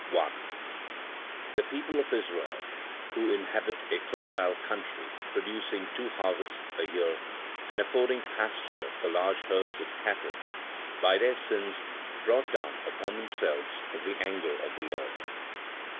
The people of Israel who inhabit a fertile country producing two harvests a year and affording pasture for large herds of cattle by their sins brought down upon themselves the anger of the Lord; 2.